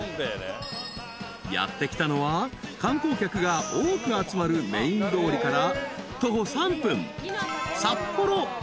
［やって来たのは観光客が多く集まるメイン通りから］